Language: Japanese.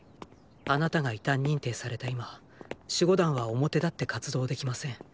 あなたが異端認定された今守護団は表立って活動できません。